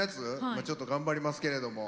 まあちょっと頑張りますけれども。